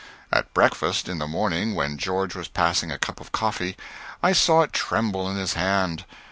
At breakfast in the morning when George was passing a cup of coffee, I saw it tremble in his hand.